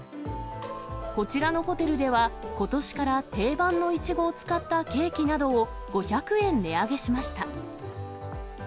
こちらのホテルでは、ことしから定番のイチゴを使ったケーキなどを５００円値上げしました。